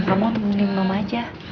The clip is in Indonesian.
kamu temenin mama aja